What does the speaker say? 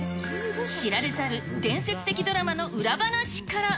知られざる伝説的ドラマの裏話から。